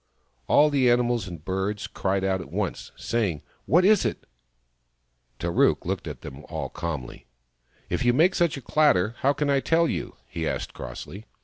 All the animals Ii8 THE FROG THAT LAUGHED and birds cried out at once, saying, " What is it ?" Tarook looked at them all calmly. " If you make such a clatter, how can I tell you ?" he asked crossly.